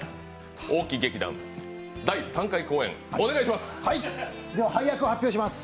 大木劇団第３回公演、お願いします！